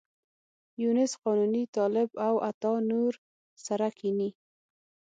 یونس قانوني، طالب او عطا نور سره کېني.